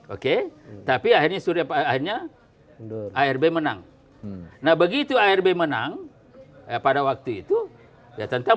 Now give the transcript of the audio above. oke tapi akhirnya sudah pak hanya air b menang nah begitu air b menang pada waktu itu ya tentang